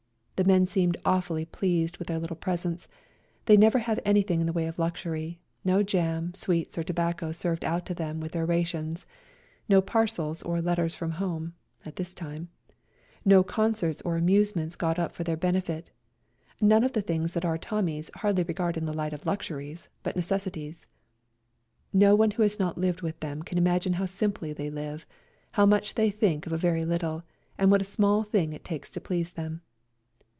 The men seemed awfully pleased with their little presents ; they never have anything in the way of luxury — no jam, sweets or tobacco served out to them with their rations, no parcels or letters from home (at this time), no concerts or amusements got up for their benefit, none of the things that our Tommies hardly regard in the light of luxuries, but necessities. No one who has not lived with them can imagine how simply they live, how much they think of a very little, and what a small thing it takes to please them.